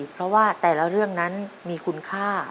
เพราะว่าแต่ละเรื่องนั้นมีคุณค่า